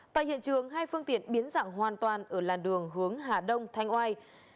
tại hiện trường hai phương tiện biến dạng hoàn toàn ở làn đường hướng hà đông thanh oai